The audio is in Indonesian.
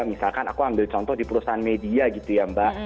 misalkan aku ambil contoh di perusahaan media gitu ya mbak